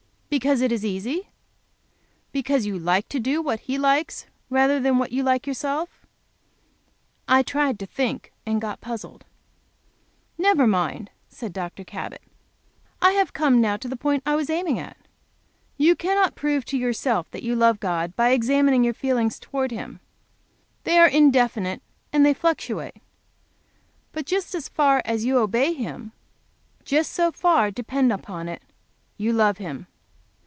Because it is easy? Because you like to do what He likes rather than what you like yourself?" I tried to think, and got puzzled. "Never mind," said Dr. Cabot, "I have come now to the point I was aiming at. You cannot prove to yourself that you love God by examining your feelings towards Him. They are indefinite and they fluctuate. But just as far as you obey Him, just so far, depend upon it, you love Him.